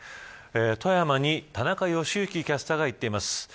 富山に田中良幸キャスターが行っています。